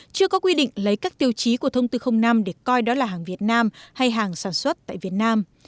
chưa có quy định lấy các tiêu chí của thông tư năm để coi đó là hàng việt nam hay hàng sản xuất tại việt nam